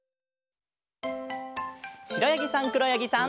しろやぎさんくろやぎさん。